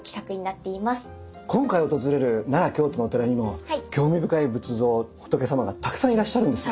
今回訪れる奈良・京都のお寺にも興味深い仏像仏様がたくさんいらっしゃるんです。